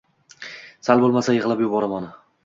Sal bo‘lmasa yig‘lab yuboraman.